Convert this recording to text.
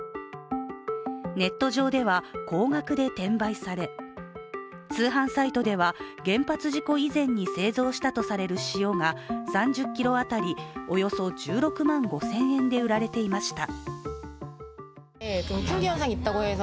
ネット上では高額で転売され通販サイトでは、原発事故以前に製造したとされる塩が３０ｋｇ当たりおよそ１６万５０００円で売られていました。